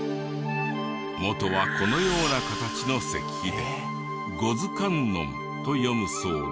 元はこのような形の石碑で御頭観音と読むそうで。